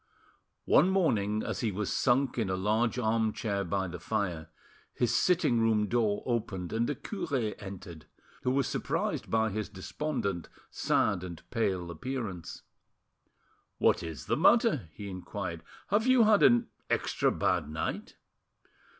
One morning, as he was sunk in a large armchair by the fire, his sitting room door opened, and the cure entered, who was surprised by his despondent, sad, and pale appearance. "What is the matter?" he inquired, "Have you had an extra bad night?"